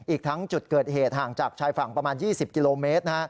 อีกทั้งจุดเกิดเหตุห่างจากชายฝั่งประมาณ๒๐กิโลเมตร